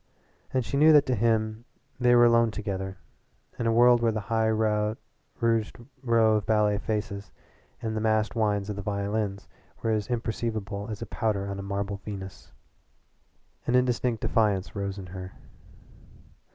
And she knew that to him they were alone together in a world where the high rouged row of ballet faces and the massed whines of the violins were as imperceivable as powder on a marble Venus. An instinctive defiance rose within her.